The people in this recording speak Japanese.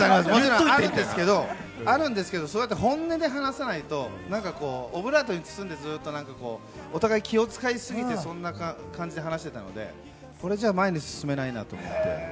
もちろんあるんですけれども、それって本音で話さないとオブラートに包んで、ずっとお互い気を遣いすぎてそんな感じで話していたので、それじゃ前に進めないなと思って。